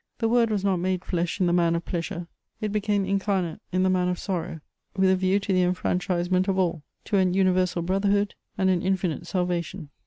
The Word was not made flesh in the man of pleasure, it became incarnate in the man of sorrow, with a view to the enfranchisement of all, to an universal brotherhood and an infinite salvation.